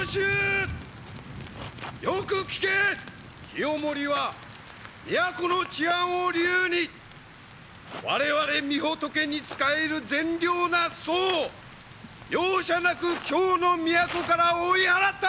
清盛は都の治安を理由に我々御仏に仕える善良な僧を容赦なく京の都から追い払った！